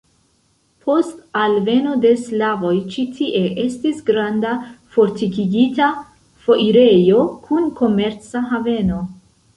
Post alveno de slavoj ĉi tie estis granda fortikigita foirejo kun komerca haveno.